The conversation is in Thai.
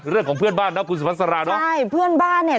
เรื่องของเพื่อนบ้านนะคุณสุภาษาเนอะใช่เพื่อนบ้านเนี่ย